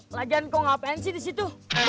lagianku ngapain sih di situ